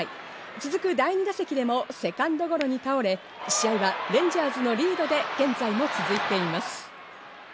続く第２打席でもセカンドゴロに倒れ、試合はレンジャーズのリードで現在も続いています。